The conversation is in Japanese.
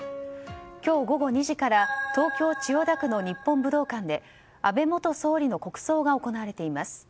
今日午後２時から東京・千代田区の日本武道館で安倍元総理の国葬が行われています。